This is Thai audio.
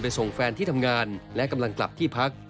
ส่งแฟนที่ทำงานและกำลังกลับที่พัก